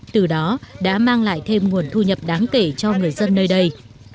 từ đó đã mang lại thêm nguồn thu nhập đáng kể cho người dân nơi đây